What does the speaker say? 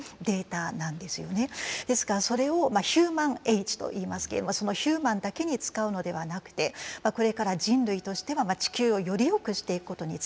ですからそれをヒューマン・エイジといいますけれどもそのヒューマンだけに使うのではなくてこれから人類としては地球をよりよくしていくことに使っていくという。